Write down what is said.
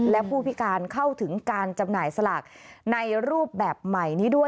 และผู้พิการเข้าถึงการจำหน่ายสลากในรูปแบบใหม่นี้ด้วย